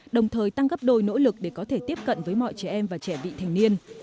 đồng thời tăng gấp đôi nỗ lực để có thể tiếp cận với mọi trẻ em và trẻ vị thành niên